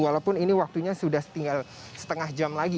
walaupun ini waktunya sudah tinggal setengah jam lagi